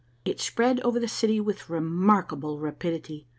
It spread over the city with remarkable rapidity.